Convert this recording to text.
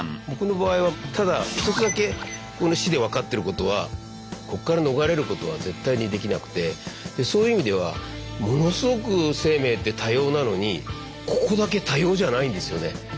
僕の場合はただ一つだけこの死で分かってることはこっから逃れることは絶対にできなくてそういう意味ではものすごく生命って多様なのにここだけ多様じゃないんですよね。